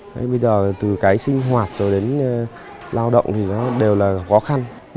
bây giờ từ sinh hoạt đến lao động đều là khó khăn